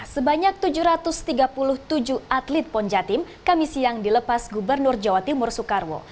sebanyak tujuh ratus tiga puluh tujuh atlet pon jatim kami siang dilepas gubernur jawa timur soekarwo